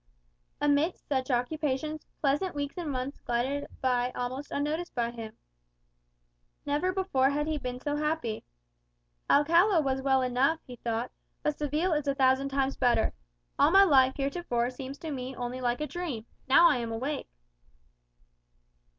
Amidst such occupations, pleasant weeks and months glided by almost unnoticed by him. Never before had he been so happy. "Alcala was well enough," he thought; "but Seville is a thousand times better. All my life heretofore seems to me only like a dream, now I am awake."